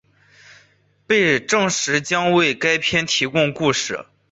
被证实将为该片提供故事。